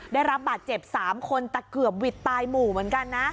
ได้รับบาดเจ็บ๓คนแต่เกือบหวิดตายหมู่เหมือนกันนะ